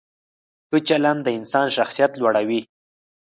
ښه چلند د انسان شخصیت لوړوي.